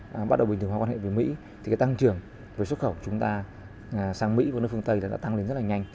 khi chúng ta bình thường hóa quan hệ với mỹ tăng trưởng xuất khẩu của chúng ta sang mỹ và nước phương tây đã tăng lên rất nhanh